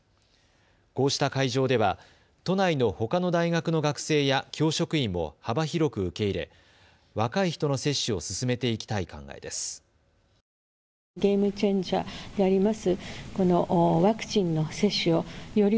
こうした会場では都内のほかの大学の学生や教職員も幅広く受け入れ、若い人の接種を進めていきたい考えです。